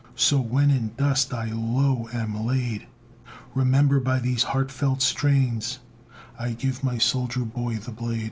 So, when in dust I low am laid, Remember by these heartfelt strains, I give my soldier boy the blade!